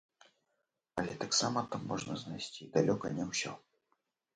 Але таксама там можна знайсці далёка не ўсё.